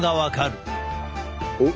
おっ。